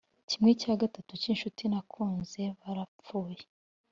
kimwe cya gatatu cyinshuti nakuze barapfuye.